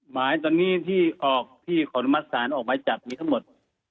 หมายตอนนี้ที่ออกที่ขออนุมัติศาลออกหมายจับมีทั้งหมด